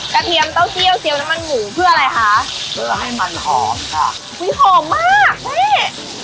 เทียมเต้าเจี่ยวเซียวน้ำมันหมูเพื่ออะไรคะเพื่อให้มันหอมค่ะอุ้ยหอมมากนี่